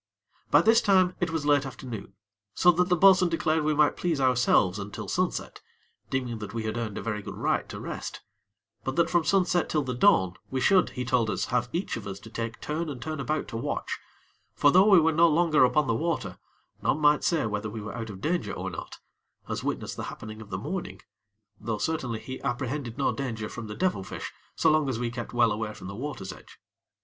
By this time it was late afternoon, so that the bo'sun declared we might please ourselves until sunset, deeming that we had earned a very good right to rest; but that from sunset till the dawn we should, he told us, have each of us to take turn and turn about to watch; for though we were no longer upon the water, none might say whether we were out of danger or not, as witness the happening of the morning; though, certainly, he apprehended no danger from the devil fish so long as we kept well away from the water's edge.